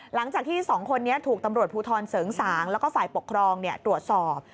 หลังจากที่สองคนนี้ถูกตำรวจภูทรเสริงสางแล้วก็ฝ่ายปกครองตรวจสอบ